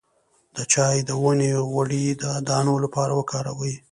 د چای د ونې غوړي د دانو لپاره وکاروئ